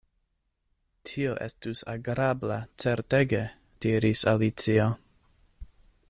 "Tio estus agrabla, certege," diris Alicio.